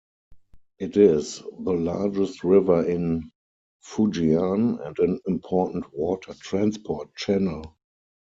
It is the largest river in Fujian, and an important water transport channel.